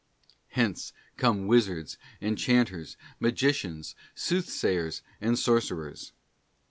Hence come wizards, enchanters, magicians, soothsayers, and sorcerers.